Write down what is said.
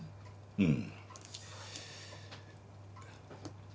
うん。